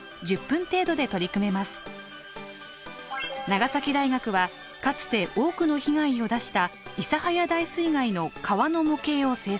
長崎大学はかつて多くの被害を出した諫早大水害の川の模型を製作。